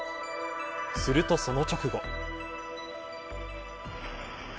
すると、その直後。